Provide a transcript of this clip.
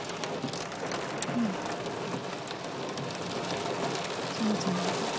うんそのつもりでいる。